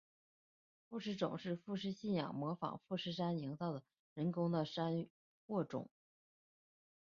富士冢是富士信仰模仿富士山营造的人工的山或冢。